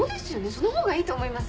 そのほうがいいと思います。